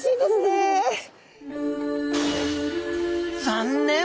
残念！